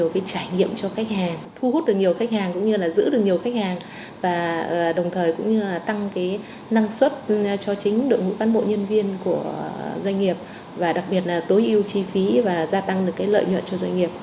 văn bộ nhân viên của doanh nghiệp và đặc biệt là tối ưu chi phí và gia tăng được lợi nhuận cho doanh nghiệp